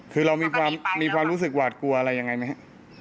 คือเรามีความรู้สึกหวาดกลัวอะไรยังไงไหมครับ